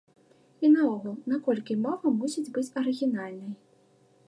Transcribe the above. І наогул, наколькі мова мусіць быць арыгінальнай?